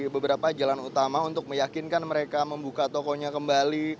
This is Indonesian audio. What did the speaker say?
beberapa jalan utama untuk meyakinkan mereka membuka tokonya kembali